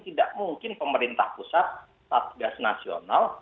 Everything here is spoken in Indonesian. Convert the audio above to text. tidak mungkin pemerintah pusat satgas nasional